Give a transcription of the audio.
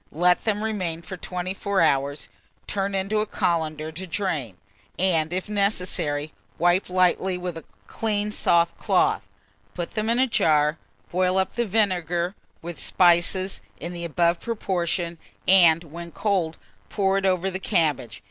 Let them remain for 24 hours, turn into a colander to drain, and, if necessary, wipe lightly with a clean soft cloth. Put them in a jar; boil up the vinegar with spices in the above proportion, and, when cold, pour it over the cabbage.